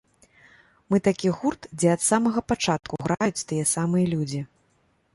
Мы такі гурт, дзе ад самага пачатку граюць тыя самыя людзі.